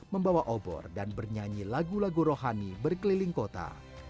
membawa obor dan bernyanyi lagu lagu rohani berkeliling kota